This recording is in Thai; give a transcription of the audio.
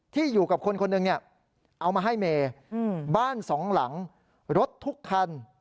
ที่อยู่กับคนคนหนึ่งเนี่ยเอามาให้เมย์บ้านสองหลังรถทุกคัน